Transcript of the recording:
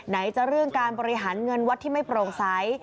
จะเรื่องการบริหารเงินวัดที่ไม่โปร่งใส